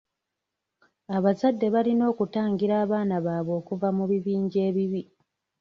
Abazadde balina okutangira abaana baabwe okuva mu bibinja ebibi.